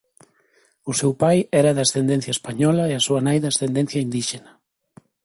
O seu pai era de ascendencia española e a súa nai de ascendencia indíxena.